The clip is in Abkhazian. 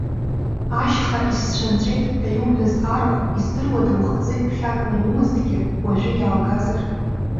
Ашьха исцәынҵәеит ҳәа иуҳәаз арахә, издыруада, ухазы иԥхьакны иумазҭгьы, уажәы иааугазар?